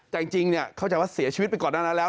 แต่จริงเข้าใจว่าเสียชีวิตไปก่อนหน้านั้นแล้ว